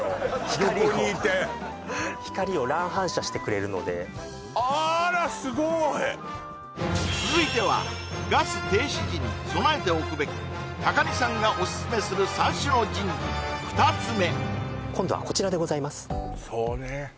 光を横にいて光を乱反射してくれるので続いてはガス停止時に備えておくべき高荷さんがオススメする三種の神器２つ目今度はこちらでございますそうね